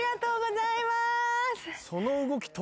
その動き。